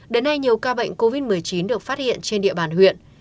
đến nay nhiều ca bệnh covid một mươi chín được phát hiện trên địa bàn huyện